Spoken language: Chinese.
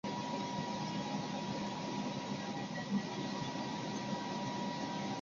张福兴出生于竹南郡头分庄。